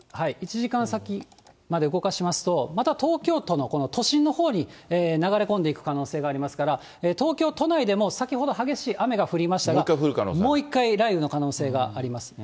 １時間先まで動かしますと、また東京都のこの都心のほうに流れ込んでいく可能性がありますから、東京都内でも先ほど激しい雨が降りましたが、もう一回雷雨の可能性があります。